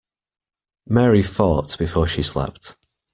Mary fought before she slept.